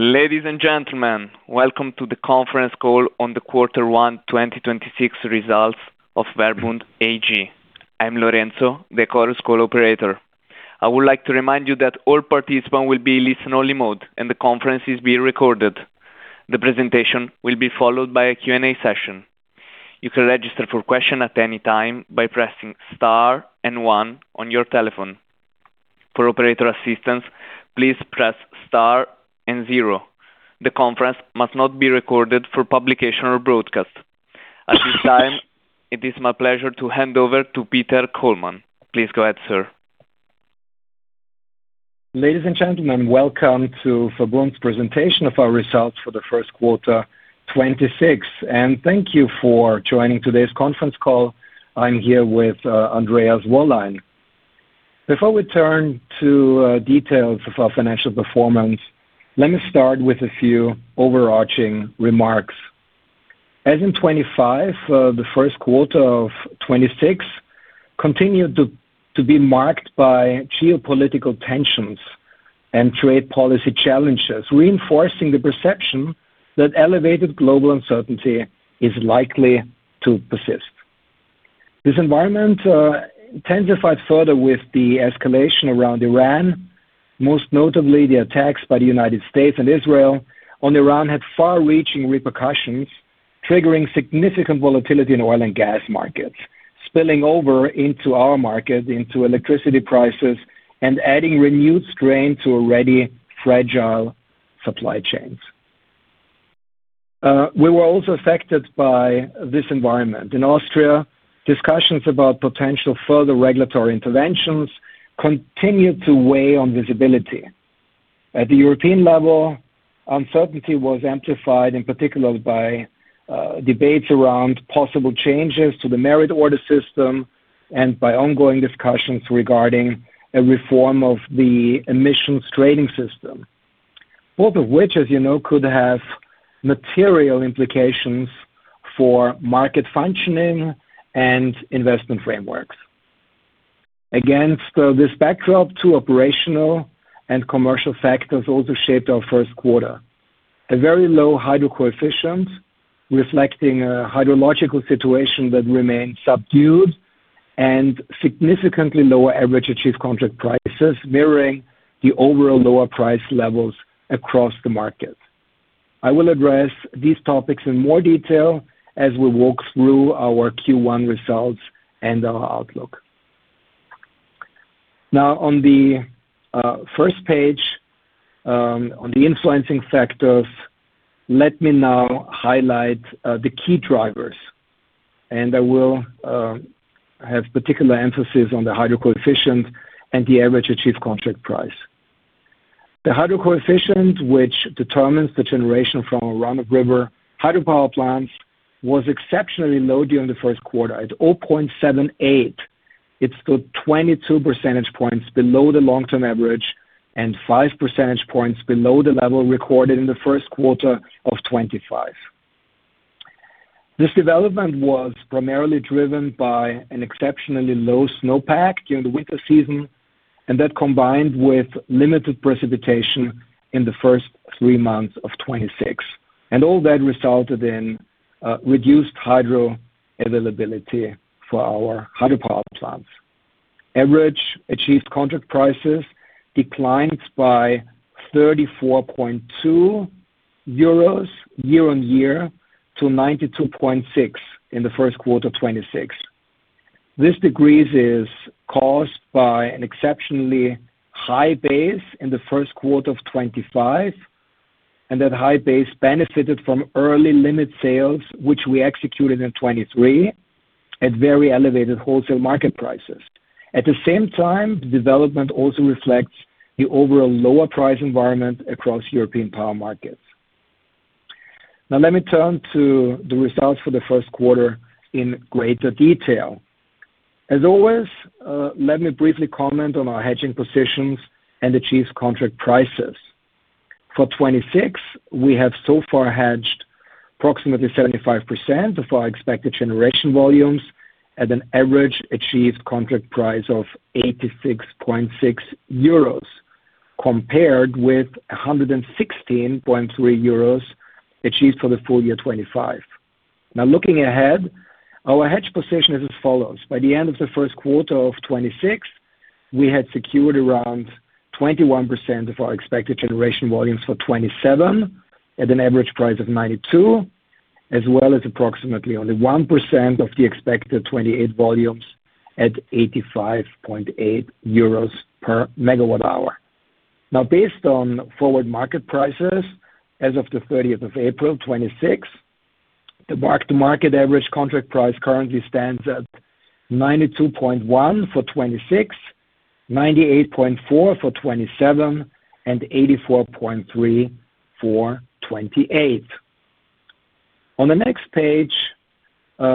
Ladies and gentlemen, welcome to the conference call on the quarter one 2026 results of VERBUND AG. I'm Lorenzo, the Chorus Call operator. I would like to remind you that all participants will be listen-only mode, and the conference is being recorded. The presentation will be followed by a Q&A session. You can register for question at any time by pressing star and one on your telephone. For operator assistance, please press star and zero. The conference must not be recorded for publication or broadcast. At this time, it is my pleasure to hand over to Peter Kollmann. Please go ahead, sir. Ladies and gentlemen, welcome to VERBUND's presentation of our results for the first quarter 2026, and thank you for joining today's conference call. I'm here with Andreas Wollein. Before we turn to details of our financial performance, let me start with a few overarching remarks. As in 2025, the first quarter of 2026 continued to be marked by geopolitical tensions and trade policy challenges, reinforcing the perception that elevated global uncertainty is likely to persist. This environment intensified further with the escalation around Iran. Most notably, the attacks by the U.S. and Israel on Iran had far-reaching repercussions, triggering significant volatility in oil and gas markets, spilling over into our market, into electricity prices, and adding renewed strain to already fragile supply chains. We were also affected by this environment. In Austria, discussions about potential further regulatory interventions continued to weigh on visibility. At the European level, uncertainty was amplified, in particular by debates around possible changes to the merit order system and by ongoing discussions regarding a reform of the emissions trading system. Both of which, as you know, could have material implications for market functioning and investment frameworks. Against this backdrop, two operational and commercial factors also shaped our first quarter. A very low hydro coefficient, reflecting a hydrological situation that remained subdued and significantly lower average achieved contract prices, mirroring the overall lower price levels across the market. I will address these topics in more detail as we walk through our Q1 results and our outlook. Now on the first page, on the influencing factors, let me now highlight the key drivers. I will have particular emphasis on the hydro coefficient and the average achieved contract price. The hydro coefficient, which determines the generation from a run-of-river hydropower plant, was exceptionally low during the first quarter. At 0.78, it's still 22 percentage points below the long-term average and 5 percentage points below the level recorded in the first quarter of 2025. That combined with limited precipitation in the three months of 2026. All that resulted in reduced hydro availability for our hydropower plants. Average achieved contract prices declined by 34.2 euros year-on-year to 92.6 in the first quarter 2026. This decrease is caused by an exceptionally high base in the first quarter of 2025. That high base benefited from early limit sales, which we executed in 2023 at very elevated wholesale market prices. At the same time, the development also reflects the overall lower price environment across European power markets. Let me turn to the results for the first quarter in greater detail. As always, let me briefly comment on our hedging positions and average achieved contract prices. For 2026, we have so far hedged approximately 75% of our expected generation volumes at an average achieved contract price of 86.6 euros, compared with 116.3 euros achieved for the full year 2025. Looking ahead, our hedge position is as follows. By the end of the first quarter of 2026, we had secured around 21% of our expected generation volumes for 2027 at an average price of 92, as well as approximately only 1% of the expected 2028 volumes at 85.8 euros/MWh. Based on forward market prices as of the 30th of April, 2026, the mark-to-market average contract price currently stands at 92.1 for 2026, 98.4 for 2027, and 84.3 for 2028. On the next page, I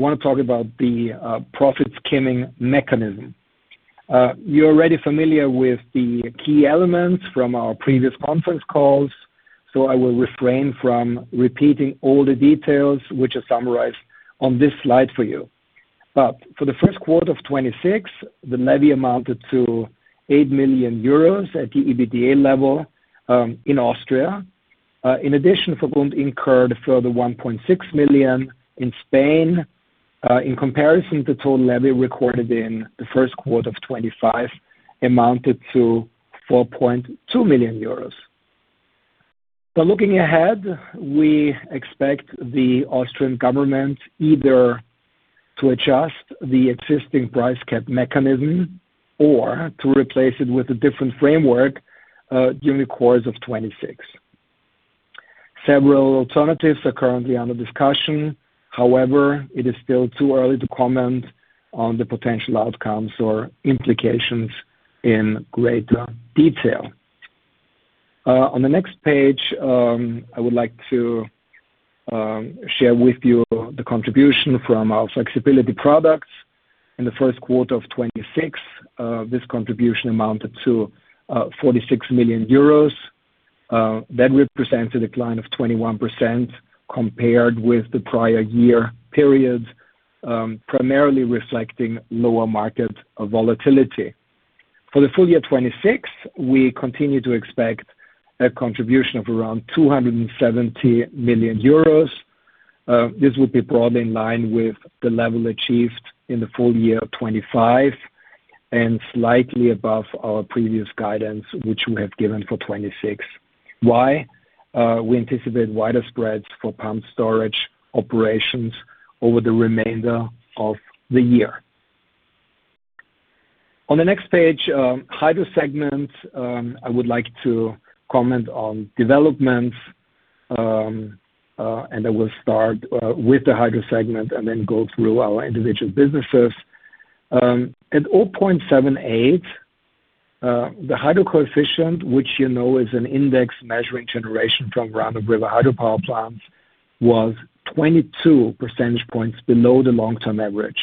want to talk about the profit skimming mechanism. You're already familiar with the key elements from our previous conference calls, so I will refrain from repeating all the details which are summarized on this slide for you. For the first quarter of 2026, the levy amounted to 8 million euros at the EBITDA level in Austria. In addition, VERBUND incurred a further 1.6 million in Spain. In comparison to total levy recorded in the first quarter of 2025 amounted to 4.2 million euros. Looking ahead, we expect the Austrian government either to adjust the existing price cap mechanism or to replace it with a different framework during the course of 2026. Several alternatives are currently under discussion. However, it is still too early to comment on the potential outcomes or implications in greater detail. On the next page, I would like to share with you the contribution from our flexibility products. In the first quarter of 2026, this contribution amounted to 46 million euros. That represents a decline of 21% compared with the prior year period, primarily reflecting lower market volatility. For the full year 2026, we continue to expect a contribution of around 270 million euros. This will be broadly in line with the level achieved in the full year of 2025 and slightly above our previous guidance, which we have given for 2026. Why? We anticipate wider spreads for pumped storage operations over the remainder of the year. On the next page, hydro segment, I would like to comment on developments, and I will start with the hydro segment and then go through our individual businesses. At 0.78, the hydro coefficient, which you know is an index measuring generation from run-of-river hydropower plants, was 22 percentage points below the long-term average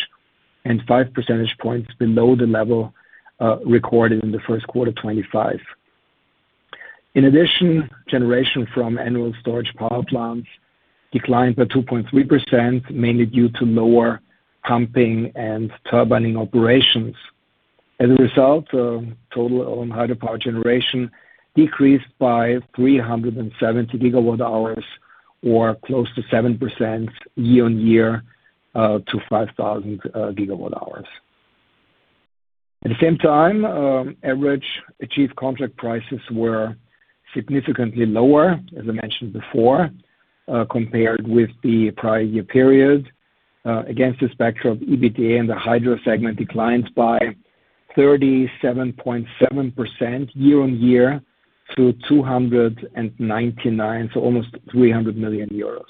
and 5 percentage points below the level recorded in the first quarter of 2025. In addition, generation from annual storage power plants declined by 2.3%, mainly due to lower pumping and turbining operations. As a result, total own hydropower generation decreased by 370 GWh or close to 7% year-on-year to 5,000 GWh. At the same time, average achieved contract prices were significantly lower, as I mentioned before, compared with the prior year period. Against this backdrop, EBITDA in the hydro segment declined by 37.7% year-on-year to 299 million, so almost 300 million euros.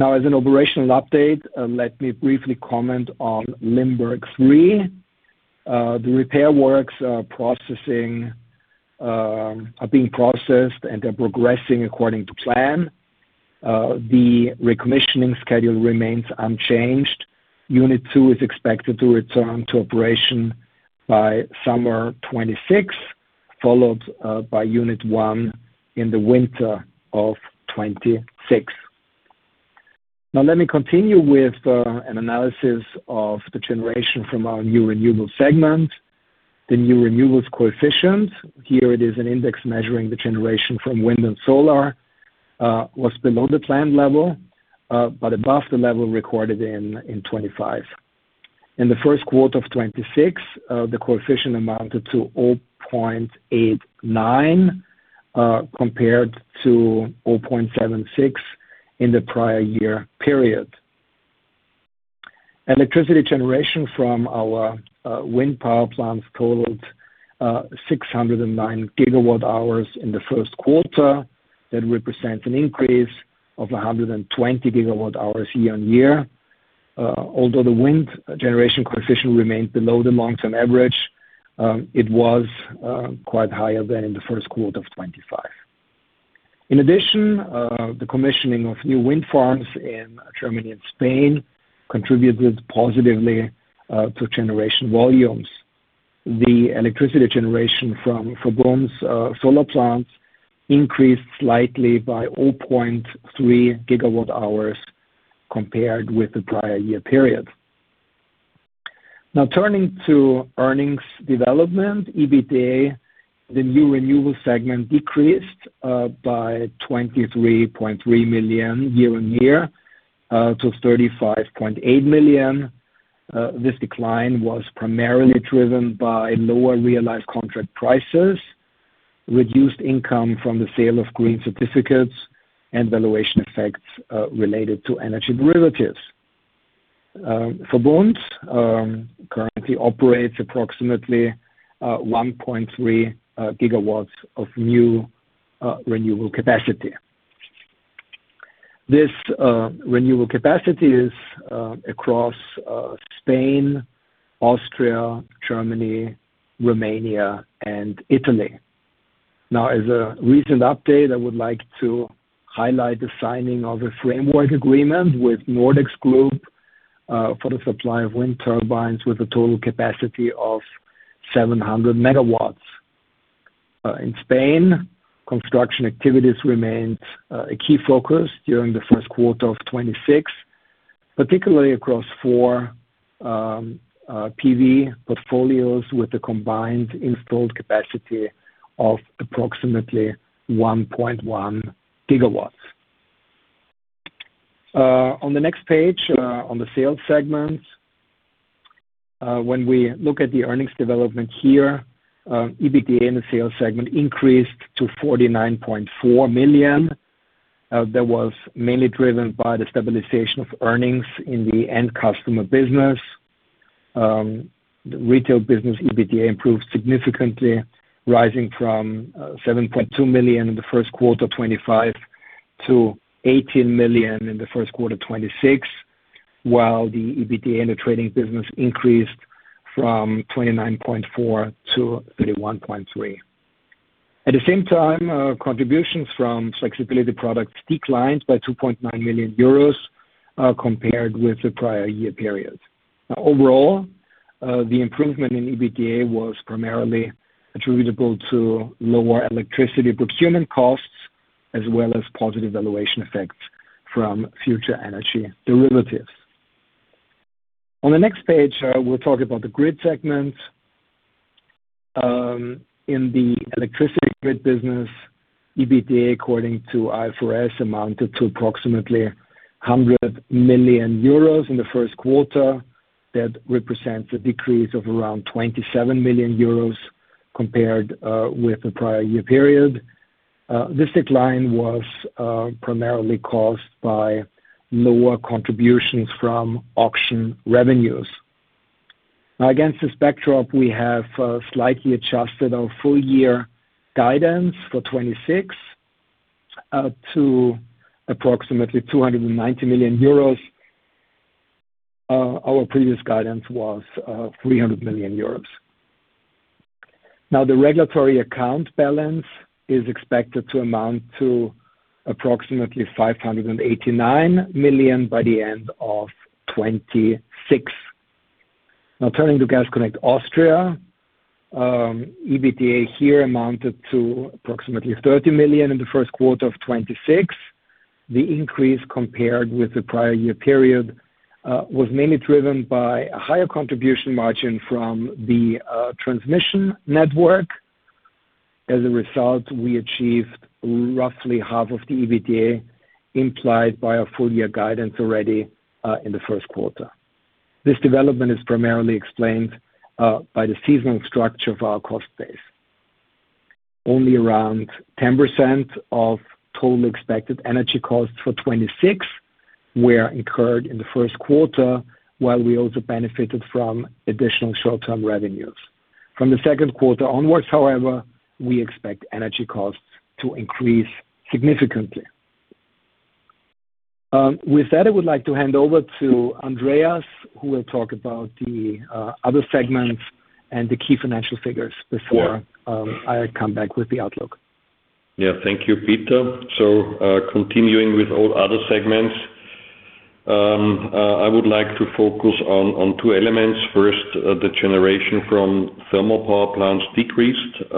As an operational update, let me briefly comment on Limberg III. The repair works are being processed and are progressing according to plan. The recommissioning schedule remains unchanged. Unit 2 is expected to return to operation by summer 2026, followed by Unit 1 in the winter of 2026. Now let me continue with an analysis of the generation from our new renewables segment. The new renewables coefficient, here it is an index measuring the generation from wind and solar, was below the planned level, but above the level recorded in 2025. In the first quarter of 2026, the coefficient amounted to 0.89, compared to 0.76 in the prior year period. Electricity generation from our wind power plants totaled 609 GWh in the first quarter. That represents an increase of 120 GWh year-over-year. Although the wind generation coefficient remained below the long-term average, it was quite higher than in the first quarter of 2025. In addition, the commissioning of new wind farms in Germany and Spain contributed positively to generation volumes. The electricity generation from VERBUND's solar plants increased slightly by 0.3 GWh compared with the prior year period. Now turning to earnings development, EBITDA, the new renewable segment decreased by 23.3 million year-on-year to 35.8 million. This decline was primarily driven by lower realized contract prices, reduced income from the sale of green certificates, and valuation effects related to energy derivatives. VERBUND currently operates approximately 1.3 GW of new renewable capacity. This renewable capacity is across Spain, Austria, Germany, Romania, and Italy. As a recent update, I would like to highlight the signing of a framework agreement with Nordex Group for the supply of wind turbines with a total capacity of 700 MW. In Spain, construction activities remained a key focus during the first quarter of 2026, particularly across four PV portfolios with a combined installed capacity of approximately 1.1 GW. On the next page, on the sales segment, when we look at the earnings development here, EBITDA in the sales segment increased to 49.4 million. That was mainly driven by the stabilization of earnings in the end customer business. The retail business EBITDA improved significantly, rising from 7.2 million in the first quarter 2025 to 18 million in the first quarter 2026, while the EBITDA in the trading business increased from 29.4 million-31.3 million. At the same time, contributions from flexibility products declined by 2.9 million euros compared with the prior year period. Overall, the improvement in EBITDA was primarily attributable to lower electricity procurement costs as well as positive valuation effects from future energy derivatives. On the next page, we'll talk about the grid segment. In the electricity grid business, EBITDA, according to IFRS, amounted to approximately 100 million euros in the first quarter. That represents a decrease of around 27 million euros compared with the prior year period. This decline was primarily caused by lower contributions from auction revenues. Against this backdrop, we have slightly adjusted our full year guidance for 2026 to approximately 290 million euros. Our previous guidance was 300 million euros. The regulatory account balance is expected to amount to approximately 589 million by the end of 2026. Turning to Gas Connect Austria. EBITDA here amounted to approximately 30 million in the first quarter of 2026. The increase compared with the prior year period was mainly driven by a higher contribution margin from the transmission network. We achieved roughly half of the EBITDA implied by our full year guidance already in the first quarter. This development is primarily explained by the seasonal structure of our cost base. Only around 10% of total expected energy costs for 2026 were incurred in the first quarter, while we also benefited from additional short-term revenues. From the second quarter onwards, however, we expect energy costs to increase significantly. With that, I would like to hand over to Andreas, who will talk about the other segments and the key financial figures before I come back with the outlook. Yeah. Thank you, Peter. Continuing with all other segments, I would like to focus on two elements. First, the generation from thermal power plants decreased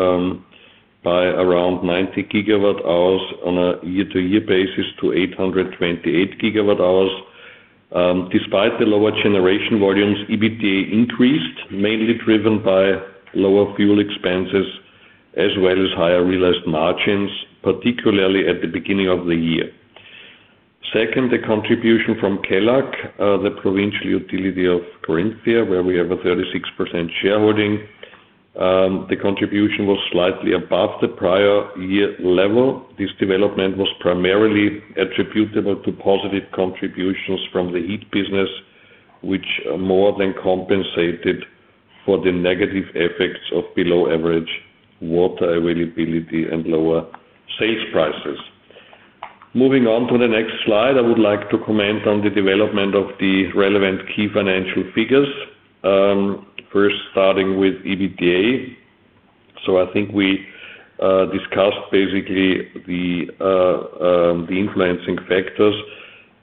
by around 90 GWh on a year-over-year basis to 828 GWh. Despite the lower generation volumes, EBITDA increased, mainly driven by lower fuel expenses as well as higher realized margins, particularly at the beginning of the year. Second, the contribution from Kelag, the provincial utility of Carinthia, where we have a 36% shareholding. The contribution was slightly above the prior year level. This development was primarily attributable to positive contributions from the heat business, which more than compensated for the negative effects of below average water availability and lower sales prices. Moving on to the next slide, I would like to comment on the development of the relevant key financial figures. First starting with EBITDA. I think we discussed basically the influencing factors.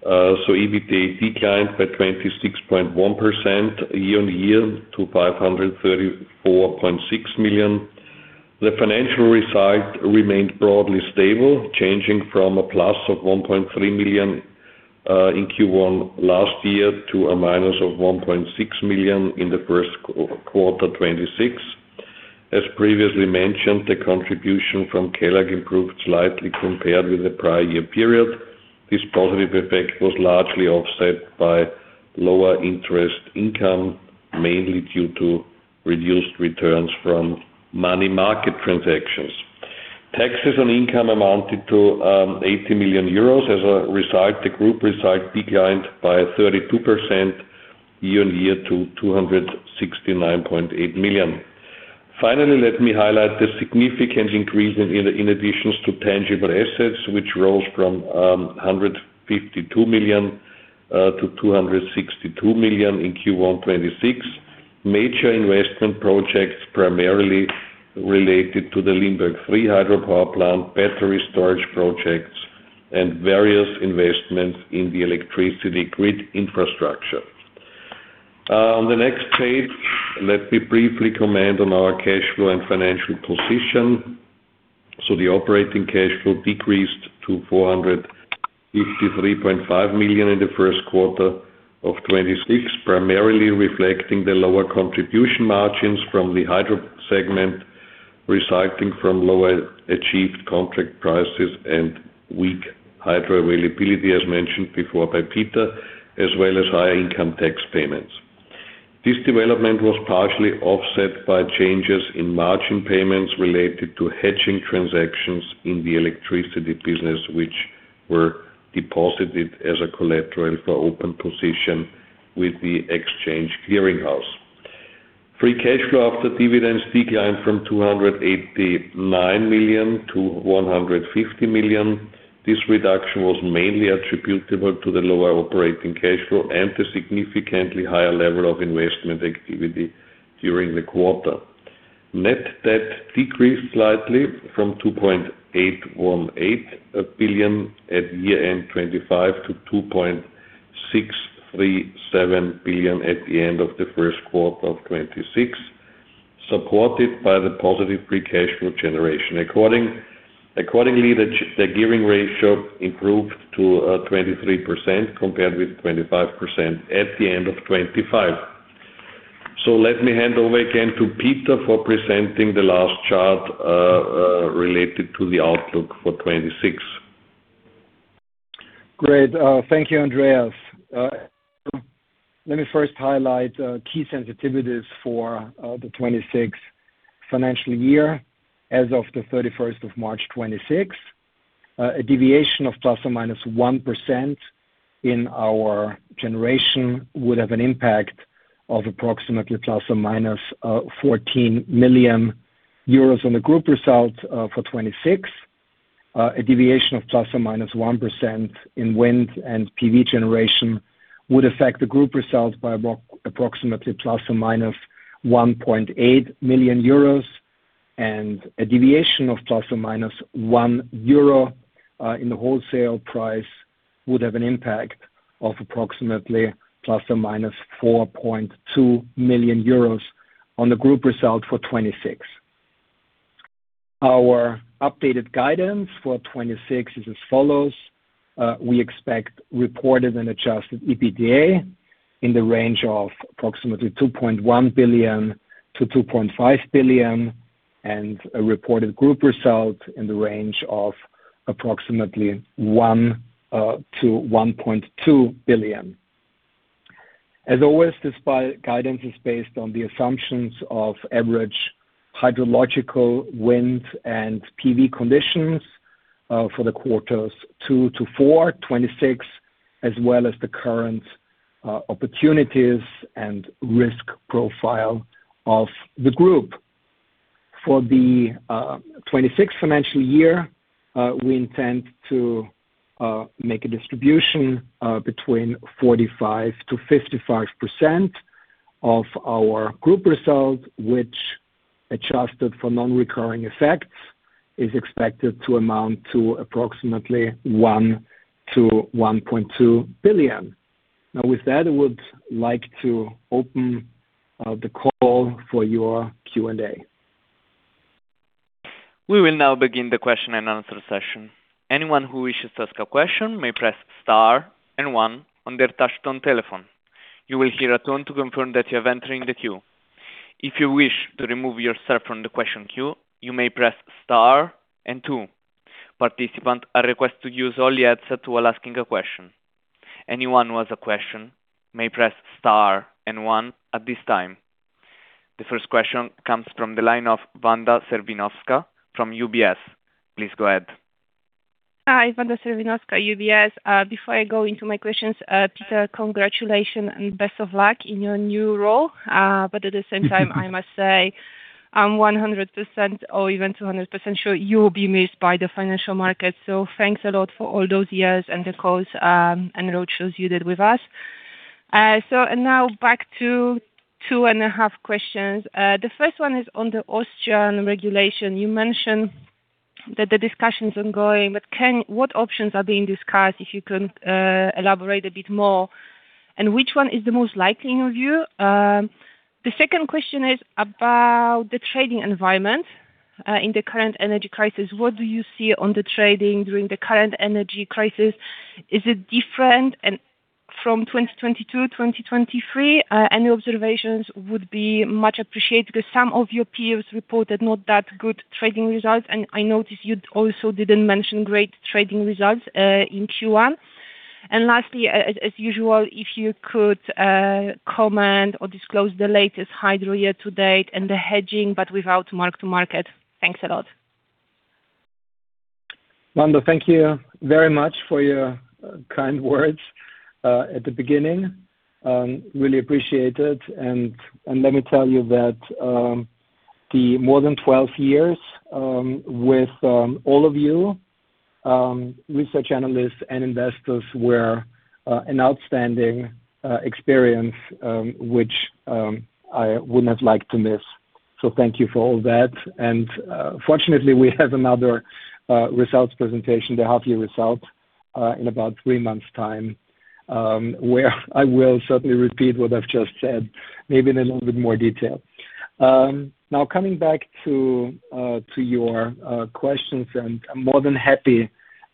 EBITDA declined by 26.1% year-on-year to 534.6 million. The financial result remained broadly stable, changing from a plus of 1.3 million in Q1 last year to a minus of 1.6 million in the first quarter 2026. As previously mentioned, the contribution from Kelag improved slightly compared with the prior year period. This positive effect was largely offset by lower interest income, mainly due to reduced returns from money market transactions. Taxes on income amounted to 80 million euros. The group result declined by 32% year-on-year to 269.8 million. Let me highlight the significant increase in additions to tangible assets, which rose from 152 millio-EUR 262 million in Q1 2026. Major investment projects primarily related to the Limberg III hydropower plant, battery storage projects, and various investments in the electricity grid infrastructure. On the next page, let me briefly comment on our cash flow and financial position. The operating cash flow decreased to 453.5 million in the first quarter of 2026, primarily reflecting the lower contribution margins from the hydro segment, resulting from lower achieved contract prices and weak hydro availability, as mentioned before by Peter, as well as higher income tax payments. This development was partially offset by changes in margin payments related to hedging transactions in the electricity business, which were deposited as a collateral for open position with the exchange clearing house. Free cash flow after dividends declined from 289 million to 150 million. This reduction was mainly attributable to the lower operating cash flow and the significantly higher level of investment activity during the quarter. Net debt decreased slightly from 2.818 billion at year end 2025 to 2.637 billion at the end of the first quarter of 2026, supported by the positive free cash flow generation. Accordingly, the gearing ratio improved to 23% compared with 25% at the end of 2025. Let me hand over again to Peter for presenting the last chart related to the outlook for 2026. Great. Thank you, Andreas. Let me first highlight key sensitivities for the 2026 financial year as of 31st of March, 2026. A deviation of ±1% in our generation would have an impact of approximately ±14 million euro on the group result for 2026. A deviation of ±1% in wind and PV generation would affect the group results by approximately ±1.8 million euros. A deviation of ±1 euro in the wholesale price would have an impact of approximately EUR ±4.2 million on the group result for 2026. Our updated guidance for 2026 is as follows. We expect reported and adjusted EBITDA in the range of approximately 2.1 billion-2.5 billion, and a reported group result in the range of approximately 1 billion-1.2 billion. As always, this guidance is based on the assumptions of average hydrological wind and PV conditions for the quarters two to four, 2026, as well as the current opportunities and risk profile of the group. For the 2026 financial year, we intend to make a distribution between 45%-55% of our group results, which adjusted for non-recurring effects, is expected to amount to approximately 1 billion-1.2 billion. Now, with that, I would like to open the call for your Q&A. The first question comes from the line of Wanda Serwinowska from UBS. Please go ahead. Hi, Wanda Serwinowska, UBS. Before I go into my questions, Peter, congratulations and best of luck in your new role. At the same time, I must say I'm 100% or even 200% sure you'll be missed by the financial market. Thanks a lot for all those years and the calls, and roadshows you did with us. Now back to two and a half questions. The first one is on the Austrian regulation. You mentioned that the discussion is ongoing. What options are being discussed, if you can elaborate a bit more? Which one is the most likely in your view? The second question is about the trading environment in the current energy crisis. What do you see on the trading during the current energy crisis? Is it different from 2022, 2023? Any observations would be much appreciated because some of your peers reported not that good trading results, and I noticed you also didn't mention great trading results in Q1. Lastly, as usual, if you could comment or disclose the latest hydro year to date and the hedging, but without mark-to-market. Thanks a lot. Wanda, thank you very much for your kind words, at the beginning. Really appreciate it. Let me tell you that, the more than 12 years, with all of you, research analysts and investors were an outstanding experience, which I wouldn't have liked to miss. So thank you for all that. Fortunately, we have another results presentation, the half-year result in about three months time, where I will certainly repeat what I've just said, maybe in a little bit more detail. Now coming back to your questions. I'm more than happy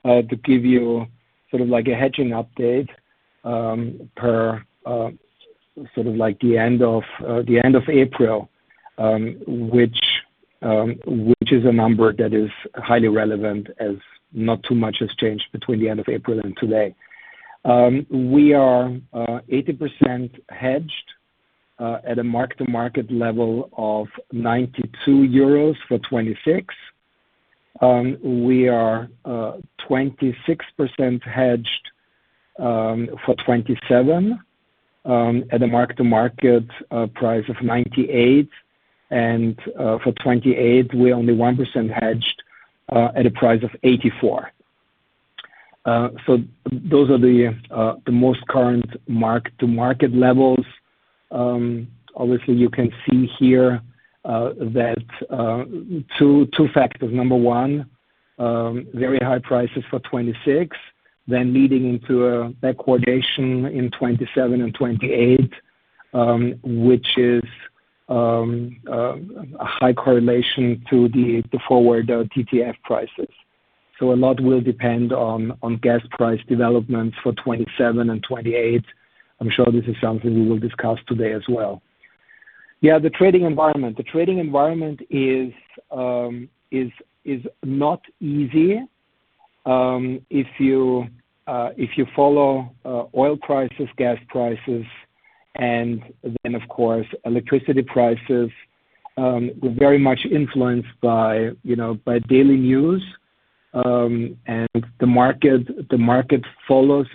to give you sort of like a hedging update per sort of like the end of April, which is a number that is highly relevant as not too much has changed between the end of April and today. We are 80% hedged at a mark-to-market level of 92 euros for 2026. We are 26% hedged for 2027 at a mark-to-market price of 98. For 2028, we're only 1% hedged at a price of 84. Those are the most current mark-to-market levels. Obviously, you can see here that two factors. Very high prices for 2026, then leading into a back correlation in 2027 and 2028, which is a high correlation to the forward TTF prices. A lot will depend on gas price developments for 2027 and 2028. I'm sure this is something we will discuss today as well. The trading environment. The trading environment is not easy. If you follow oil prices, gas prices, and then of course, electricity prices, we're very much influenced by, you know, by daily news, and the market follows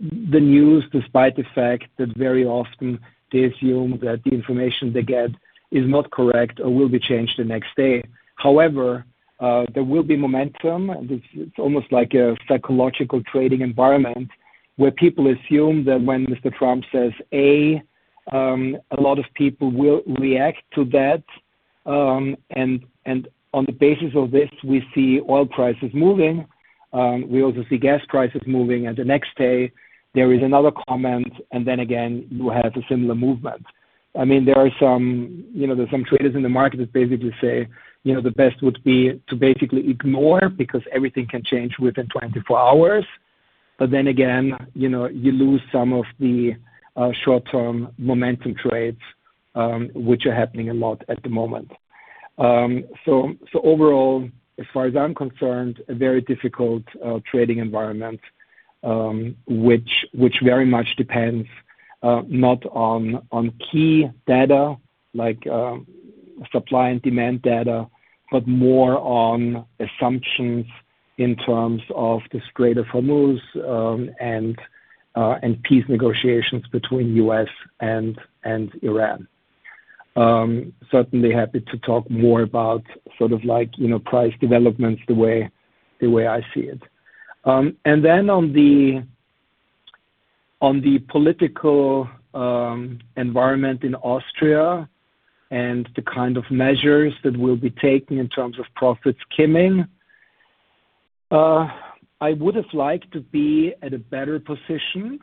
the news despite the fact that very often they assume that the information they get is not correct or will be changed the next day. However, there will be momentum, and it's almost like a psychological trading environment where people assume that when Mr. Trump says A, a lot of people will react to that. On the basis of this, we see oil prices moving, we also see gas prices moving. The next day there is another comment, then again, you have a similar movement. I mean, there are some, you know, there are some traders in the market that basically say, you know, the best would be to basically ignore because everything can change within 24 hours. Again, you know, you lose some of the short-term momentum trades, which are happening a lot at the moment. Overall, as far as I'm concerned, a very difficult trading environment, which very much depends not on key data like supply and demand data, but more on assumptions in terms of the Strait of Hormuz and peace negotiations between U.S. and Iran. Certainly happy to talk more about price developments the way I see it. On the political environment in Austria and the kind of measures that we'll be taking in terms of profit skimming, I would have liked to be at a better position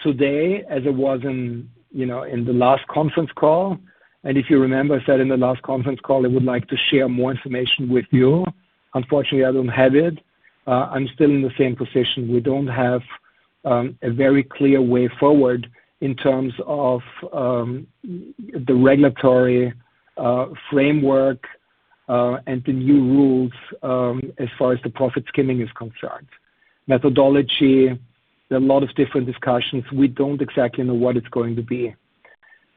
today as it was in the last conference call. If you remember, I said in the last conference call, I would like to share more information with you. Unfortunately, I don't have it. I'm still in the same position. We don't have a very clear way forward in terms of the regulatory framework and the new rules as far as the profit skimming is concerned. Methodology, there are a lot of different discussions. We don't exactly know what it's going to be.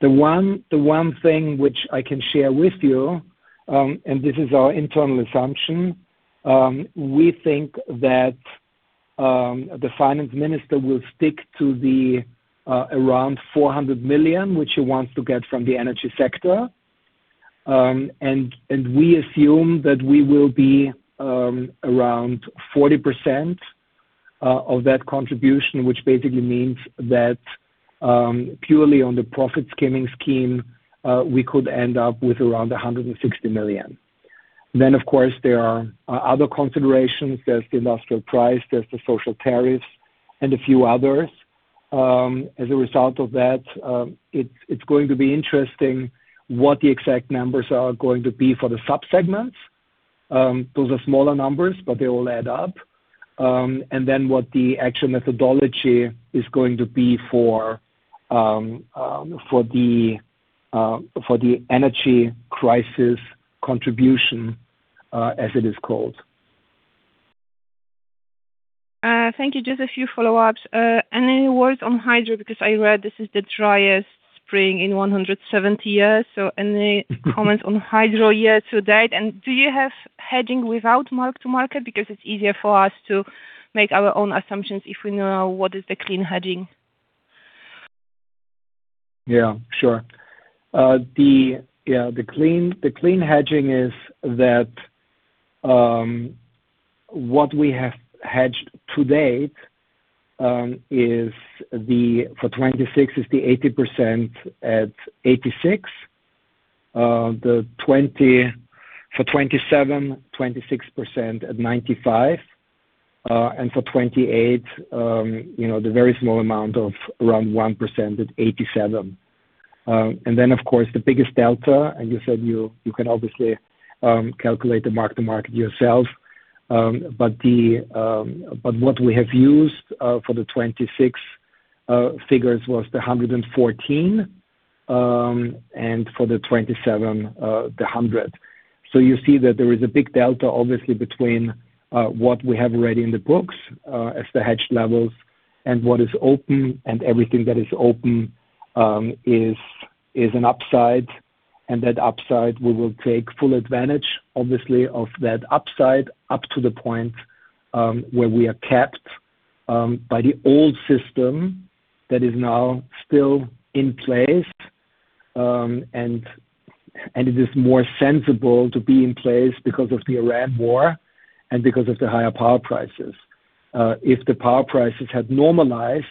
The one thing which I can share with you, and this is our internal assumption, we think that the finance minister will stick to the around 400 million, which he wants to get from the energy sector. We assume that we will be around 40% of that contribution, which basically means that purely on the profit skimming scheme, we could end up with around 160 million. Of course, there are other considerations. There's the industrial price, there's the social tariffs, and a few others. As a result of that, it's going to be interesting what the exact numbers are going to be for the sub-segments. Those are smaller numbers, but they all add up. Then what the actual methodology is going to be for the energy crisis contribution, as it is called. Thank you. Just a few follow-ups. Any words on hydro? I read this is the driest spring in 170 years. Any comments on hydro year to date? Do you have hedging without mark-to-market? It's easier for us to make our own assumptions if we know what is the clean hedging. Sure. The clean, the clean hedging is what we have hedged to date, for 2026 is the 80% at 86. For 2027, 26% at EUR 95. For 2028, you know, the very small amount of around 1% at 87. Of course, the biggest delta, you said you can obviously calculate the mark-to-market yourself. What we have used for the 2026 figures was 114, for the 2027, 100. You see that there is a big delta obviously between what we have already in the books as the hedged levels and what is open, everything that is open is an upside. That upside, we will take full advantage, obviously, of that upside up to the point where we are capped by the old system that is now still in place. It is more sensible to be in place because of the Iran war and because of the higher power prices. If the power prices had normalized,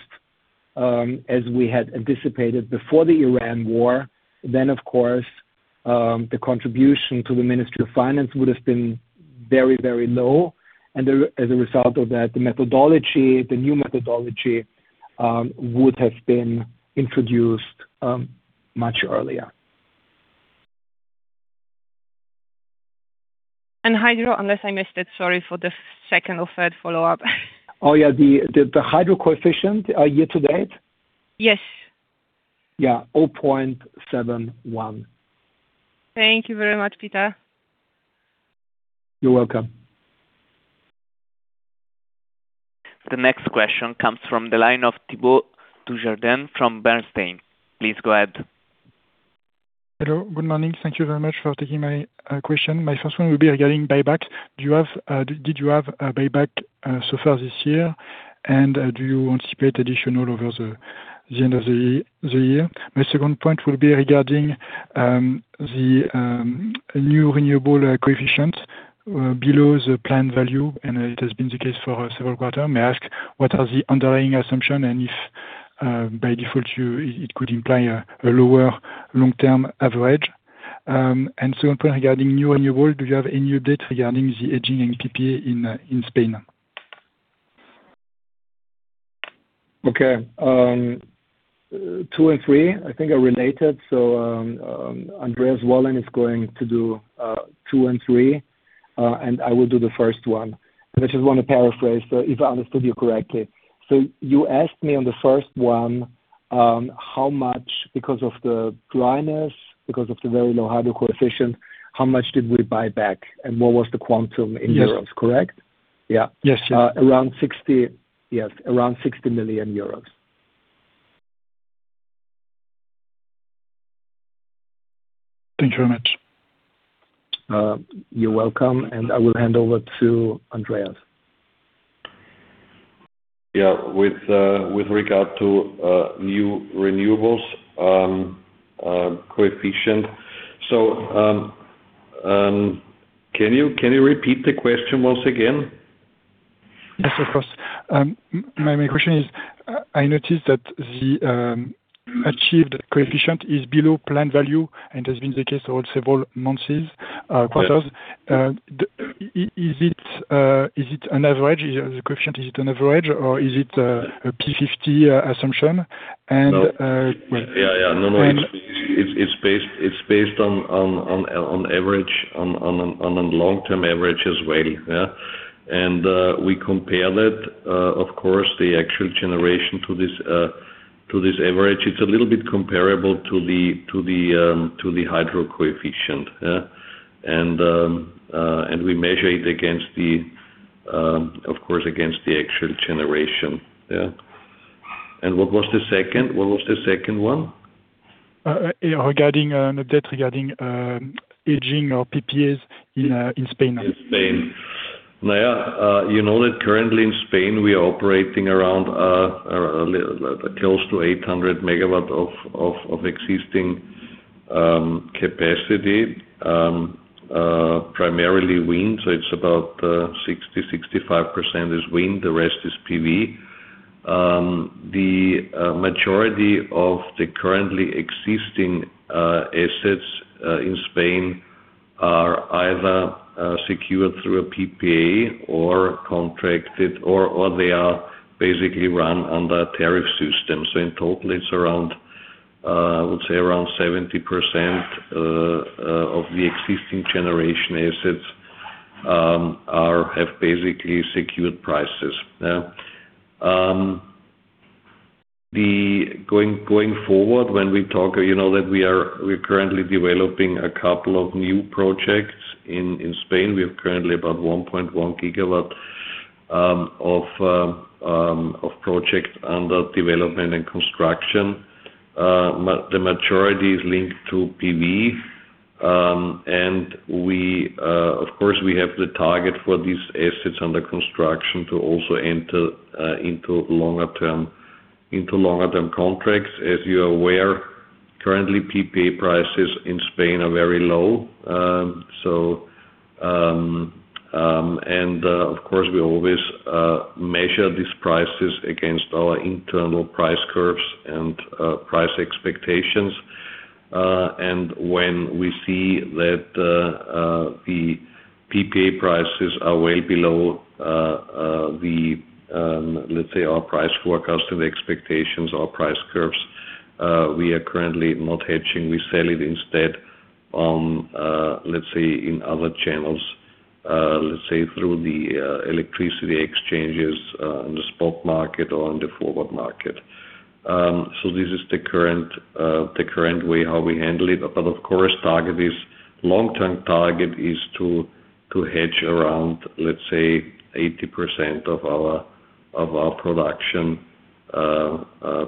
as we had anticipated before the Iran war, then, of course, the contribution to the Ministry of Finance would have been very, very low. As a result of that, the methodology, the new methodology, would have been introduced much earlier. Hydro, unless I missed it, sorry for the second or third follow-up. Oh, yeah. The, the hydro coefficient, year to date? Yes. Yeah, 0.71. Thank you very much, Peter. You're welcome. The next question comes from the line of Thibault Dujardin from Bernstein. Please go ahead. Hello. Good morning. Thank you very much for taking my question. My first one will be regarding buyback. Did you have a buyback so far this year? Do you anticipate additional over the end of the year? My second point will be regarding the new renewables coefficient below the planned value, it has been the case for several quarter. May I ask, what are the underlying assumption? If by default, it could imply a lower long-term average. Second point regarding new renewables, do you have any update regarding the hedging and PPA in Spain? Okay. Two and three, I think are related. Andreas Wollein is going to do two and three, and I will do the first one. I just wanna paraphrase, so if I understood you correctly. You asked me on the first one, how much, because of the dryness, because of the very low hydro coefficient, how much did we buy back, and what was the quantum in euros. Yes. correct? Yeah. Yes, yes. Around 60. Yes, around 60 million euros. Thank you very much. You're welcome, and I will hand over to Andreas. Yeah. With regard to new renewables coefficient. Can you repeat the question once again? Yes, of course. My main question is, I noticed that the achieved coefficient is below planned value and has been the case for several months, quarters. Yes. Is it an average? Is the coefficient an average or is it a P50 assumption? No. Yeah, yeah. No, no. And- It's based on average, on long-term average as well. Yeah. We compare that, of course, the actual generation to this to this average. It's a little bit comparable to the to the to the hydro coefficient. We measure it against the of course, against the actual generation. Yeah. What was the second? What was the second one? Yeah, regarding, update regarding, hedging our PPAs in Spain. In Spain. You know that currently in Spain, we are operating around a little close to 800 MW of existing capacity primarily wind. It's about 60%-65% is wind, the rest is PV. The majority of the currently existing assets in Spain are either secured through a PPA or contracted or they are basically run under a tariff system. In total, it's around I would say around 70% of the existing generation assets have basically secured prices. Going forward, when we talk, you know that we're currently developing a couple of new projects in Spain. We have currently about 1.1 GW of projects under development and construction. The majority is linked to PV. We, of course, we have the target for these assets under construction to also enter into longer term contracts. Currently, PPA prices in Spain are very low. Of course, we always measure these prices against our internal price curves and price expectations. When we see that the PPA prices are way below our price forecast and the expectations or price curves, we are currently not hedging. We sell it instead in other channels through the electricity exchanges on the spot market or on the forward market. This is the current way how we handle it. Of course, long-term target is to hedge around 80% of our production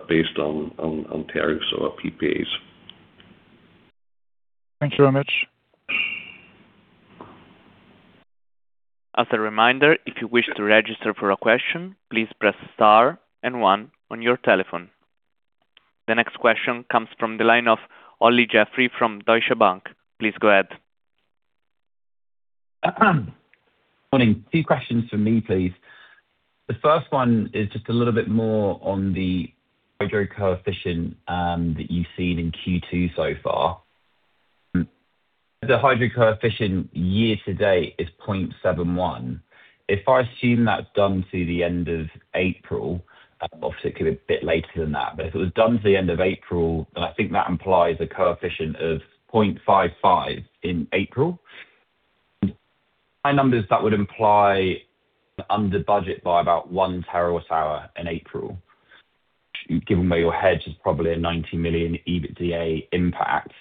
based on tariffs or PPAs. Thank you very much. As a reminder, if you wish to register for a question, please press star and one on your telephone. The next question comes from the line of Olly Jeffery from Deutsche Bank. Please go ahead. Morning. Two questions from me, please. The first one is just a little bit more on the hydro coefficient that you've seen in Q2 so far. The hydro coefficient year to date is 0.71. If I assume that's done through the end of April, obviously it could be a bit later than that, but if it was done to the end of April, I think that implies a coefficient of 0.55 in April. My numbers, that would imply under budget by about 1 TWh in April. Given where your hedge is probably a 90 million EBITDA impact.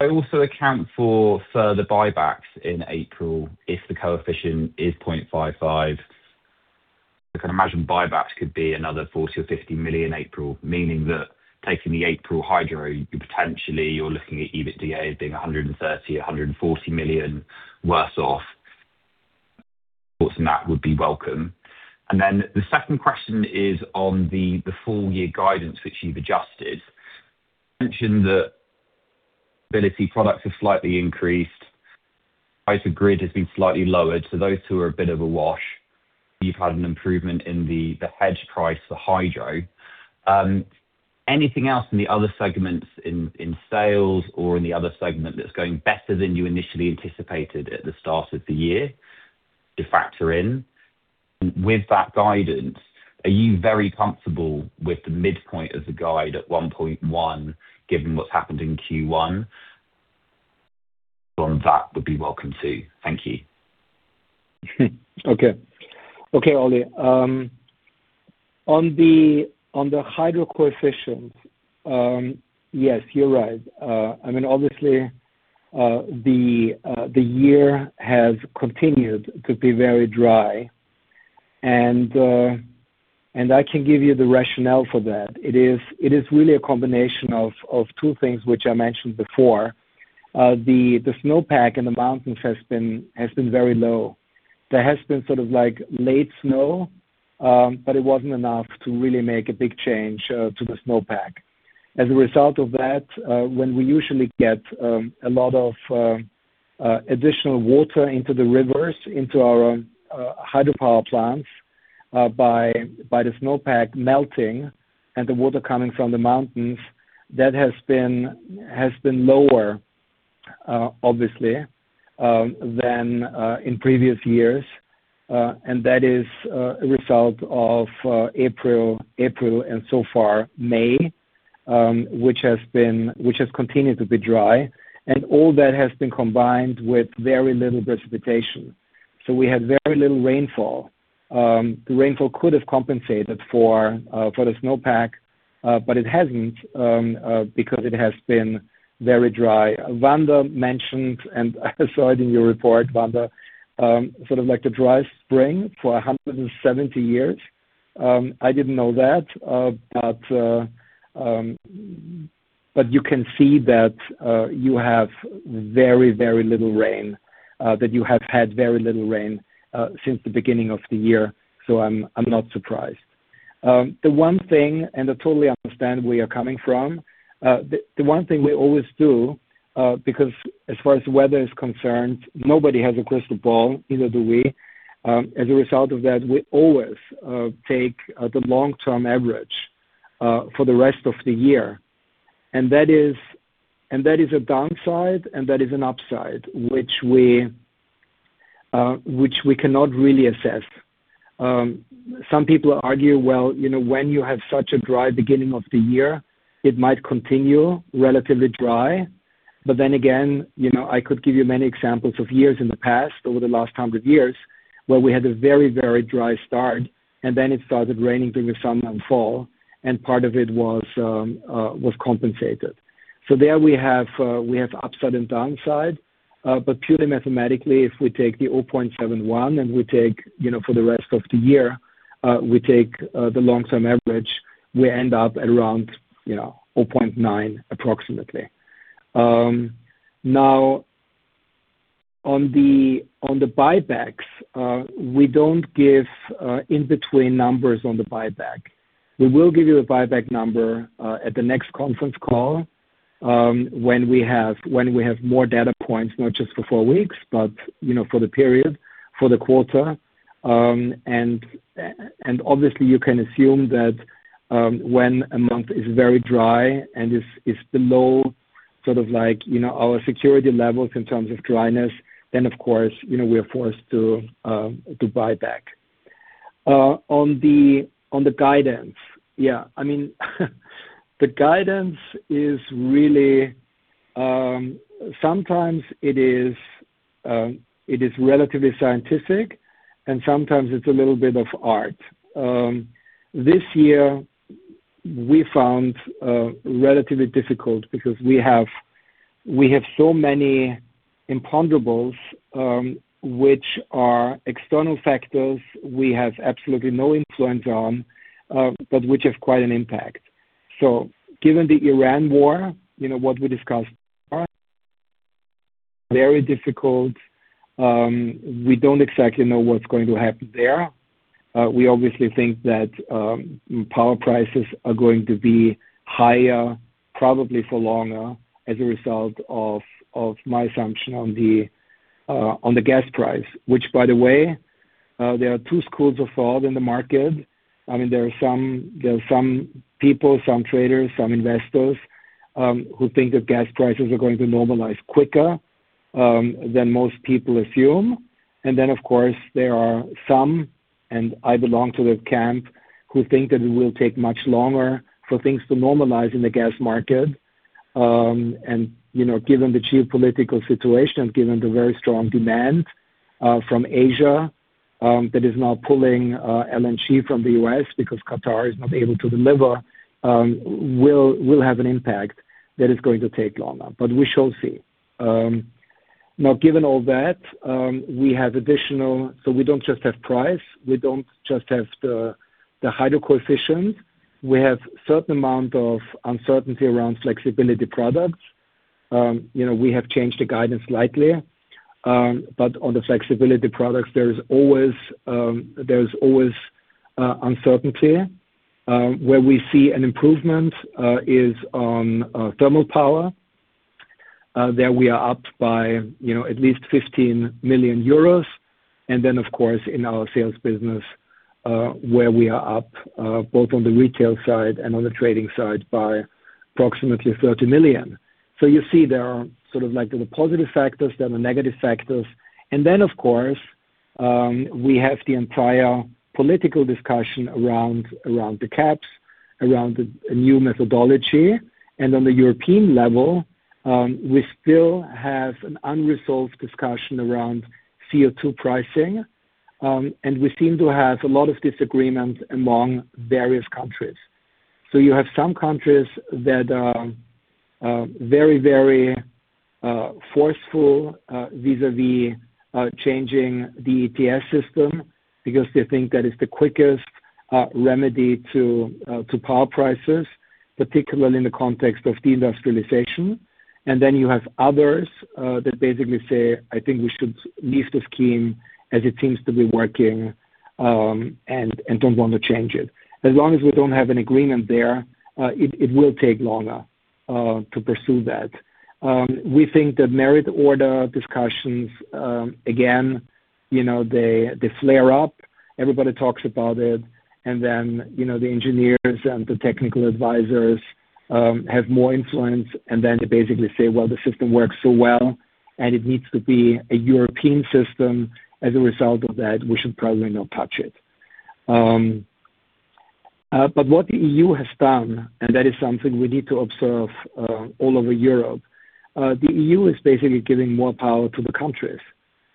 I also account for further buybacks in April if the coefficient is 0.55. I can imagine buybacks could be another 40 million or 50 million April, meaning that taking the April hydro, you potentially you're looking at EBITDA as being 130 million, 140 million worse off. Thoughts on that would be welcome. The second question is on the full year guidance which you've adjusted. You mentioned that flexibility products have slightly increased. Price of grid has been slightly lowered, so those two are a bit of a wash. You've had an improvement in the hedge price, the hydro. Anything else in the other segments in sales or in the other segment that's going better than you initially anticipated at the start of the year to factor in? With that guidance, are you very comfortable with the midpoint as a guide at 1.1, given what's happened in Q1? Thoughts on that would be welcome too. Thank you. Okay, Olly. On the hydro coefficient, yes, you're right. I mean, obviously, the year has continued to be very dry, and I can give you the rationale for that. It is really a combination of two things which I mentioned before. The snowpack in the mountains has been very low. There has been sort of like late snow, but it wasn't enough to really make a big change to the snowpack. As a result of that, when we usually get a lot of additional water into the rivers, into our hydropower plants, by the snowpack melting and the water coming from the mountains, that has been lower, obviously, than in previous years. That is a result of April and so far May, which has continued to be dry. All that has been combined with very little precipitation. We had very little rainfall. The rainfall could have compensated for the snowpack, but it hasn't because it has been very dry. Wanda mentioned, I saw it in your report, Wanda, sort of like the driest spring for 170 years. I didn't know that. You can see that you have very little rain, that you have had very little rain since the beginning of the year, I'm not surprised. The one thing, and I totally understand where you're coming from, the one thing we always do, because as far as weather is concerned, nobody has a crystal ball, neither do we. As a result of that, we always take the long-term average for the rest of the year. That is a downside and that is an upside, which we cannot really assess. Some people argue, well, you know, when you have such a dry beginning of the year, it might continue relatively dry. Then again, you know, I could give you many examples of years in the past, over the last 100 years, where we had a very, very dry start, and then it started raining during the summer and fall, and part of it was compensated. There we have, we have upside and downside. Purely mathematically, if we take the 0.71 and we take, you know, for the rest of the year, we take the long-term average, we end up at around, you know, 4.9 approximately. On the, on the buybacks, we don't give in-between numbers on the buyback. We will give you a buyback number at the next conference call, when we have, when we have more data points, not just for four weeks, but, you know, for the period, for the quarter. Obviously, you can assume that when a month is very dry and is below sort of like, you know, our security levels in terms of dryness, then of course, you know, we are forced to buy back. On the guidance, I mean, the guidance is really sometimes it is relatively scientific, sometimes it's a little bit of art. This year we found relatively difficult because we have so many imponderables, which are external factors we have absolutely no influence on, which have quite an impact. Given the Iran war, you know, what we discussed before, very difficult. We don't exactly know what's going to happen there. We obviously think that power prices are going to be higher probably for longer as a result of my assumption on the gas price, which by the way, there are two schools of thought in the market. I mean, there are some, there are some people, some traders, some investors, who think that gas prices are going to normalize quicker than most people assume. Of course, there are some, and I belong to that camp, who think that it will take much longer for things to normalize in the gas market. You know, given the geopolitical situation, given the very strong demand from Asia, that is now pulling LNG from the U.S. because Qatar is not able to deliver, will have an impact that is going to take longer. We shall see. Now given all that, we don't just have price, we don't just have the hydro coefficients. We have certain amount of uncertainty around flexibility products. You know, we have changed the guidance slightly. On the flexibility products, there's always uncertainty. Where we see an improvement is on thermal power, there we are up by, you know, at least 15 million euros. Of course, in our sales business, where we are up both on the retail side and on the trading side by approximately 30 million. You see there are sort of like the positive factors, there are the negative factors. Of course, we have the entire political discussion around the caps, around the new methodology. On the European level, we still have an unresolved discussion around CO2 pricing, and we seem to have a lot of disagreements among various countries. You have some countries that are very, very forceful vis-à-vis changing the ETS system because they think that is the quickest remedy to power prices, particularly in the context of deindustrialization. You have others that basically say, "I think we should leave the scheme as it seems to be working, and don't want to change it." As long as we don't have an agreement there, it will take longer to pursue that. We think that Merit Order discussions, again, you know, they flare up, everybody talks about it, and then, you know, the engineers and the technical advisors have more influence, and then they basically say, "Well, the system works so well and it needs to be a European system. As a result of that, we should probably not touch it." What the EU has done, and that is something we need to observe, all over Europe, the EU is basically giving more power to the countries.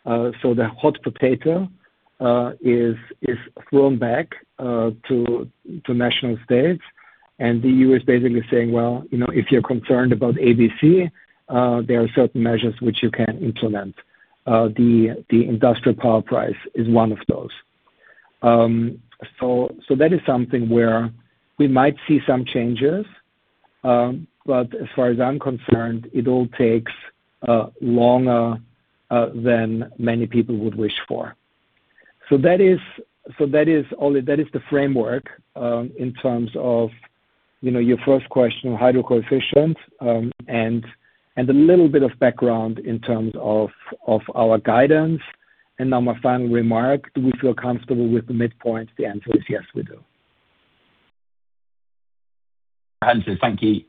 The hot potato is thrown back to national states, and the EU is basically saying, "Well, you know, if you're concerned about ABC, there are certain measures which you can implement." The industrial power price is one of those. That is something where we might see some changes, but as far as I'm concerned, it all takes longer than many people would wish for. That is the framework, in terms of, you know, your first question on hydro coefficient, and a little bit of background in terms of our guidance. Now my final remark, do we feel comfortable with the midpoint? The answer is yes, we do. Thank you.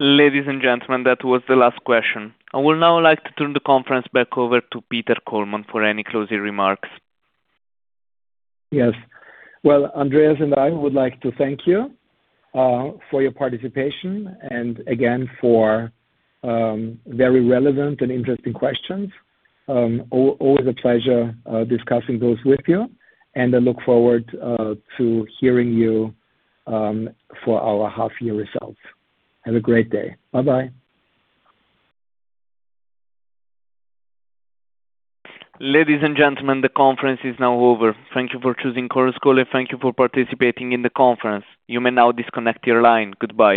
Ladies and gentlemen, that was the last question. I would now like to turn the conference back over to Peter Kollmann for any closing remarks. Yes. Well, Andreas and I would like to thank you for your participation and again for very relevant and interesting questions. Always a pleasure discussing those with you, and I look forward to hearing you for our half-year results. Have a great day. Bye-bye. Ladies and gentlemen, the conference is now over. Thank you for choosing Chorus Call, and thank you for participating in the conference. You may now disconnect your line. Goodbye.